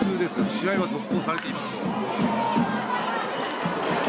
試合は続行されています。